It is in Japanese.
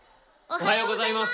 おはようございます！